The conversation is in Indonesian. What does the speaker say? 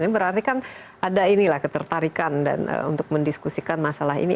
ini berarti kan ada inilah ketertarikan dan untuk mendiskusikan masalah ini